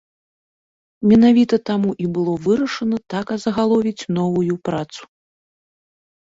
Менавіта таму і было вырашана так азагаловіць новую працу.